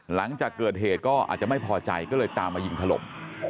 หลังจากเกิดเหตุก็อาจจะไม่พอใจก็เลยตามมายิงถล่ม